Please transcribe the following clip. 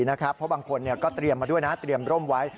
เพราะบางคนก็เตรียมร่มไว้